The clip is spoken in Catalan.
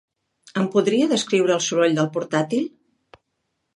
Em podria descriure el soroll del portàtil?